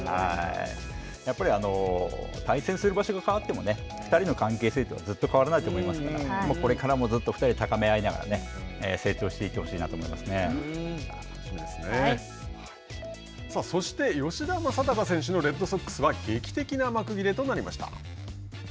やっぱり対戦する場所が変わってもね、２人の関係性というのはずっと変わらないと思いますからこれからもずっと２人で高め合いながら、成長していってほしいなそして、吉田正尚選手のレッドソックスは劇的な幕切れとなりました。